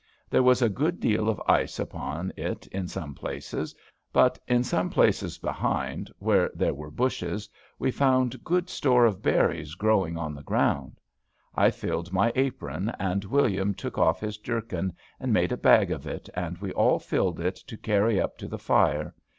There was a good deal of ice upon it in some places, but in some places behind, where there were bushes, we found good store of berries growing on the ground. I filled my apron, and William took off his jerkin and made a bag of it, and we all filled it to carry up to the fire.